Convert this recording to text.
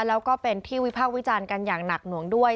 แล้วก็เป็นที่วิพากษ์วิจารณ์กันอย่างหนักหน่วงด้วย